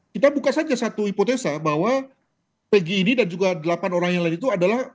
kita buka saja satu hipotesa bahwa pg ini dan juga delapan orang yang lain itu adalah